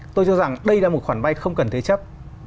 tôi cho rằng đây là một khoản vay không cần thế chấp